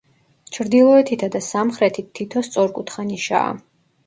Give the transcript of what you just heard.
ჩრდილოეთითა და სამხრეთით თითო სწორკუთხა ნიშაა.